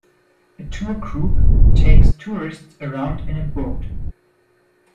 A tour group takes tourists around in a boat.